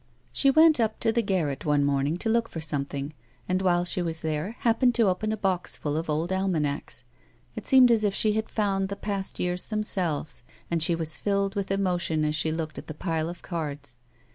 She went up to the garret one morning to look for some thing and, while she was there, happened to open a box full A WOMAN'S LIFE. 24? of old almanacs. It seemed as if she had found the past years themselves, and she was filled with emotion as she looked at the pile of cards.